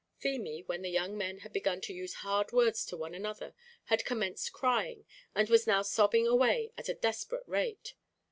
Feemy, when the young men had begun to use hard words to one another, had commenced crying, and was now sobbing away at a desperate rate.